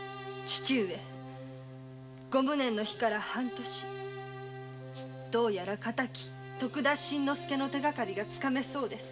父上ご無念の日から半年どうやら敵・徳田新之助の手がかりがつかめそうです。